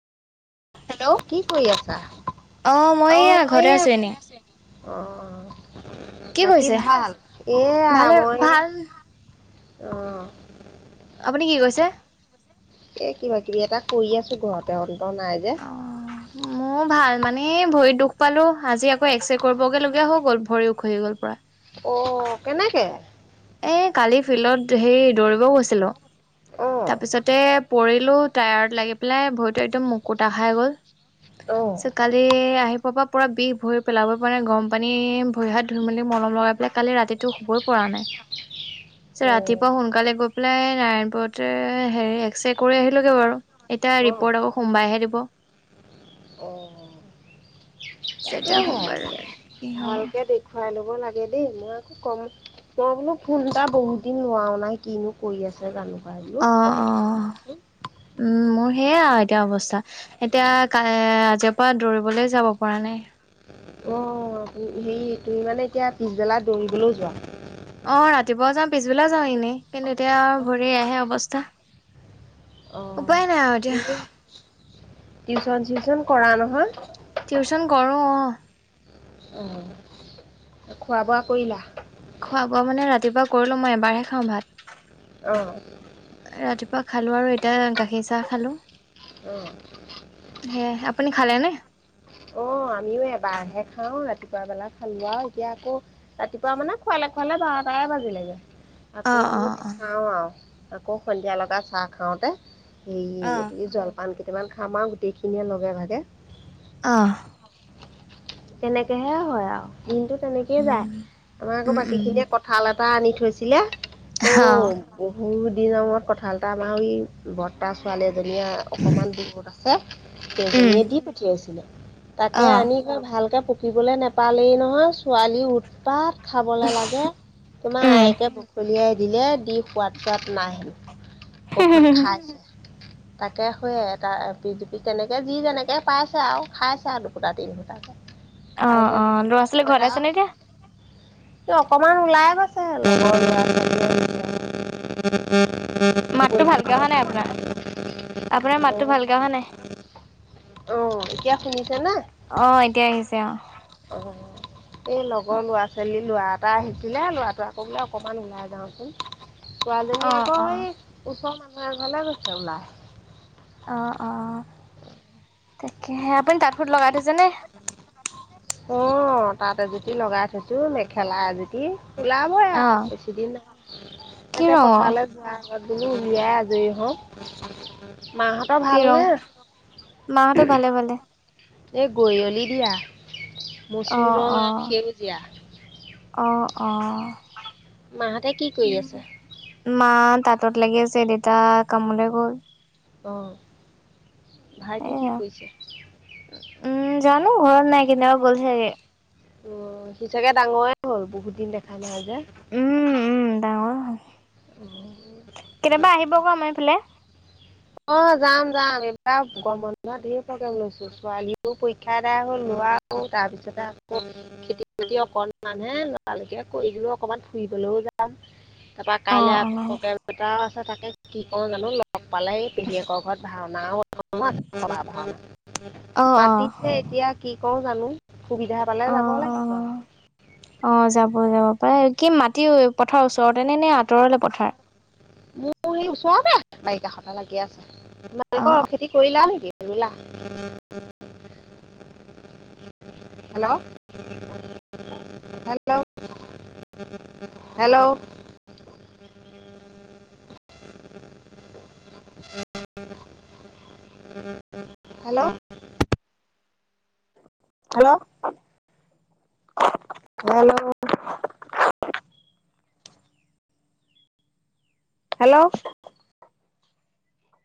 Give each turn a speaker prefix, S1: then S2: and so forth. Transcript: S1: Hello! কি কৰি আছা?
S2: অ মই এইয়া ঘৰতে আছো এনে।
S1: অ বাকী
S2: কৰিছে
S1: ভাল এয়া
S2: ভালে
S1: মই।
S2: ভাল
S1: আহ।
S2: আপুনি কি কৈছে?
S1: এ কিবা কিবি এটা কৰি আছো ঘৰতে অন্ত নাই
S2: অ মোৰ
S1: যে।
S2: ভাল মানে ভৰিত দুখ পালো আজি আকৌ এক্সৰে কৰিবগে লগগীয়া হৈ গ'ল ভৰি উখহি গ'ল পৰা।
S1: অ কেনেকে?
S2: এই কালি ফিল্ডত হে দৌৰিবও গৈছিলোঁ
S1: অ'
S2: তাৰপিছতে পৰি টায়ত লাগি‌ পেলাই ভৰিতো একদম মুকুতা খাই‌ গল তাৰ
S1: অ'
S2: পিছত কালি আহি ওপৰ পৰা পৰা বিষ, ভৰি পেলাবই পৰা নাই, গৰম পানী ভৰি হাত ধুই মেলি মলম লগাই পেলাই কালি ৰাতিটো শুবই কৰা নাই।
S1: ন
S2: ৰাতিপুৱা সোনকালে গৈ পেলাই নাৰায়ণপুৰতে হেৰি এক্স ৰে কৰি আহিলোগে বাৰু। এতিয়া ৰিপৰ্ট আকৌ সোমবাইহে দিব।
S1: অঁ
S2: যেতিয়া সোমবাৰে কি হ'ব
S1: ভালকে দেখুৱাই ল'ব লাগে। দেই, মই আকৌ কম মই বোলো ফোন এটা বহুত দিন লোৱাও নাই, কিনো কৰি আছে জানো? পাই বোলো
S2: অ
S1: খবৰ
S2: অ
S1: এটা লওঁচোন।
S2: উম মোৰ সেইয়াই আৰু এতিয়া অৱস্থা। এতিয়া আজিৰ পৰা দৌৰিবলৈ যাব পৰা নাই
S1: অ হেৰি তুমি মানে এতিয়া পিছবেলা দৌৰিবলৈও যোৱা
S2: অ ৰাতিপুৱা যাওঁ পিছবেলা যাওঁ এনেই কিন্তু এতিয়া ভৰি আহে অৱস্থা
S1: অ
S2: উপায় নাই আৰু এতিয়া
S1: এনেই টিউচন চিউচন কৰা নহয়
S2: টিউচন কৰোঁ অ
S1: অ খোৱা বোৱা কৰিলা
S2: খোৱা বোৱা মানে ৰাতিপুৱা কৰিলো মই এবাৰহে খাওঁ ভাত
S1: আহঁ
S2: তা খালো আৰু এতিয়া গাখীৰ চাহ খালো
S1: অ
S2: পুনি খালে নে
S1: অ আমিও এবাৰহে খাওঁ ৰাতিপুৱা বেলা খালো আৰু এতিয়া আকৌ ৰাতিপুৱা মানে খুৱালে খুৱালে বাৰটাই বাজি লাগে
S2: অ
S1: আকৌ
S2: অ
S1: বোলো দেখাও আৰু আকৌ সন্ধিয়া লগা চাহ খাওঁতে হেৰি
S2: অ
S1: এইটো জলপানেই কেইটামান খাম আৰু গোটেইখিনিয়ে লগে ভাগে
S2: অ
S1: তেনেকেহে হয় আৰু দিনতটো তেনেকেই যায়
S2: উম
S1: আমাৰ আকৌ বাকী
S2: উম
S1: খিনিয়ে কথাা কটা আনি থৈছিলে অ বহুত নৰমৰত কঠালটা আমাৰ বৰ্তা ছোৱালী এজনীয়ে অকণমান দূৰত আছে
S2: উম
S1: মেদী পঠিয়াইছিলে তাকে
S2: অ
S1: আনি কৈ ভাল পকিবলৈ নোপালেই নহয় ছোৱালী উৎপাত খাবলে লাগে তোমাৰ
S2: উম
S1: আয়েকে বকললিয়াই দিলে দি সোৱাদ চোৱাত নাহিল কখন খাই তাকে শয়ে এ পি জপি কেনেকে যি যেনেকে পাইছে আৰু খাইছে আৰু দুকুটা তিন সুটা
S2: অ
S1: খাই এতিয়া
S2: অ ল'ৰা ছোৱালী ঘৰত আছে নে এতিয়া
S1: কি অকমান ওলাই গৈছে লগৰ লৰা
S2: মাতটো ভালকে
S1: পৰীক্ষাও
S2: অহা নাই আপোনাৰ আপোনাৰ মাতটো ভালকে অ হা নাই
S1: অ এতিয়া শুনিছে না
S2: অ এতিয়া আহিছে অ
S1: অ এই লগৰ ল'ৰা ছোৱালী ল'ৰা এটা আহিছিলে ল'ৰাটো আকৌ বোলে অকমান ওলাই যাওঁচোন কোৱজনী
S2: অ
S1: আকৌ
S2: অ
S1: এই ওচৰ মানুহৰ এ ঘাললে গৈছে ওলায়
S2: অ অ অ তাকেহে আপুনি তাঁত ফুট লগাই দিছে নে
S1: অ তাত এজুতি লগাই থৈছো মেখেলা এজুতি ওলাবই
S2: অ
S1: আৰু বেছি দিন ন
S2: কি
S1: তাকে
S2: ৰঙৰ
S1: পথাৰলৈ যোৱাৰ আগত বোলো উলিয়াই আজৰি হও মাহঁতৰ
S2: কি ৰং
S1: ভালনেে
S2: মাহঁতৰ ভালে ভালে
S1: এ গৈলি দিয়া মচুৰ
S2: আহ
S1: ৰং আৰু
S2: আহ
S1: সেউজীয়া
S2: আহ আহ
S1: মাহঁতে কি কৰি আছে
S2: মা তাঁতত লাগি আছে দেউতা কামলৈ গল
S1: অ ভাইটি কি
S2: এয়া
S1: কৰিছে
S2: উম জানো ঘৰত নাই কেতিয়াবা গ'ল চাগে
S1: উ সি চাগে ডাঙৰে হ'ল বহুত দিন দেখা নাই যে
S2: উম উম ডাঙৰ হ'ল কেতিয়াবা আহিব ক আমাৰ এইফালে
S1: অ যাম যাম এইবাৰ গ বন্ধোৱা ধঢেৰ প্ৰগ্ৰেম লৈছো ছোৱালীও পৰীক্ষা এদাই হল ন তাৰপিছতে আকৌ খেতি বাতি অকনমান হে লৰালকে কৰিো অকনমান ফুৰিব যাম তাৰপৰা
S2: অ
S1: কাইলৈ আকৌ প্ৰগ্ৰেম এটাও আছে তাকে কি ক জানো লগ পালে পেীয়েকৰ ঘৰত ভাওনা ভাও
S2: অ অ
S1: মাতিছে এতিয়া কি ক জানো সুবিধা পালে
S2: অ
S1: যাব লাগিব আৰু
S2: ত কি মাটি পথাৰৰ ওচৰতে নে নে আঁতৰলে পথাৰ
S1: মোৰ সেই ওচৰতে বাৰিষা সটা লাগি আছে
S2: অ
S1: তোমালোকৰ খেতি কৰিলা নেকি গেৰুলা hello. Hello hello. Hello hello hello. Hello.